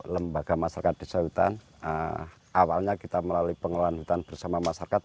lembaga masyarakat desa hutan awalnya kita melalui pengelolaan hutan bersama masyarakat